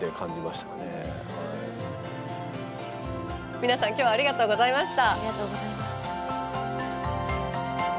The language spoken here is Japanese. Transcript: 皆さん今日は、ありがとうございました。